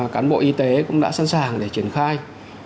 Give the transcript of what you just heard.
cán bộ y tế cũng đã sẵn sàng để triển khai